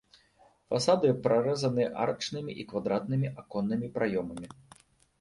Фасады прарэзаны арачнымі і квадратнымі аконнымі праёмамі.